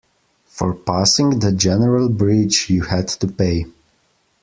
For passing the general bridge, you had to pay.